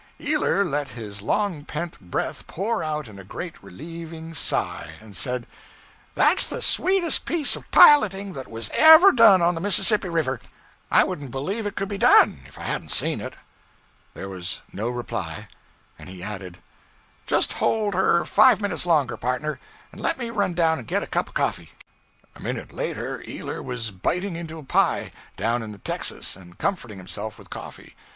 Ealer let his long pent breath pour out in a great, relieving sigh, and said 'That's the sweetest piece of piloting that was ever done on the Mississippi River! I wouldn't believed it could be done, if I hadn't seen it.' There was no reply, and he added 'Just hold her five minutes longer, partner, and let me run down and get a cup of coffee.' A minute later Ealer was biting into a pie, down in the 'texas,' and comforting himself with coffee.